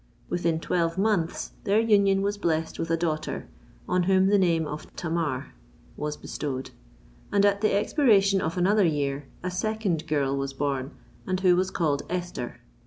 Within twelve months their union was blessed with a daughter, on whom the name of Tamar was bestowed; and at the expiration of another year, a second girl was born, and who was called Esther.